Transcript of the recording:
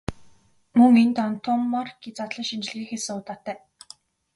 Мөн энд Антоммарки задлан шинжилгээ хийсэн удаатай.